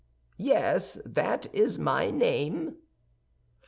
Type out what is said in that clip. "Yes, that is my name."